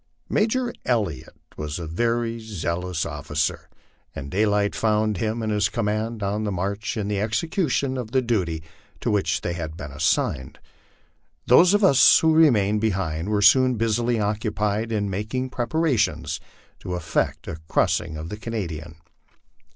Major Elliot was a very zealous officer, and daylight found him and hia command on the march in the execution of the duty to which they had been as signed. Those of us who remained behind were soon busily occupied in mak ing preparations to effect a crossing of the Canadian.